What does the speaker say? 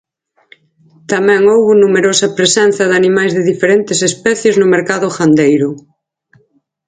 Tamén houbo numerosa presenza de animais de diferentes especies no mercado gandeiro.